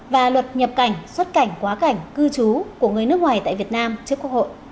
và luật nhập cảnh xuất cảnh quá cảnh cư trú của người nước ngoài tại việt nam trước quốc hội